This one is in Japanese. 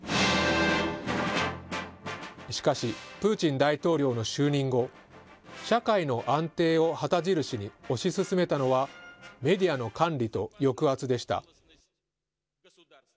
しかし、プーチン大統領の就任後、社会の安定を旗印に推し進めたのは、メディアの管理と抑圧でした。